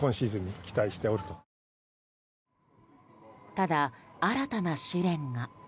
ただ、新たな試練が。